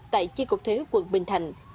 tại chiếc cục thuế quận bình thành